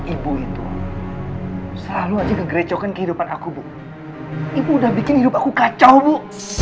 ibu itu selalu aja ngegrecokan kehidupan aku bu ibu udah bikin hidup aku kacau bu